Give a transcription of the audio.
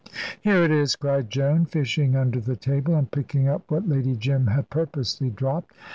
"Here it is," cried Joan, fishing under the table, and picking up what Lady Jim had purposely dropped.